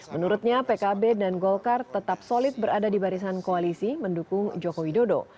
menurutnya pkb dan golkar tetap solid berada di barisan koalisi mendukung jokowi dodo